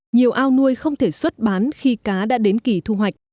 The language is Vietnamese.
nhiều ao nuôi không thể xuất bán khi cá đã đến kỳ thu hoạch